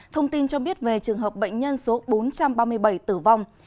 thông tin cho biết về trường hợp bệnh nhân số bốn trăm ba mươi bảy tử vong